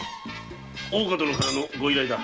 大岡殿からのご依頼だ。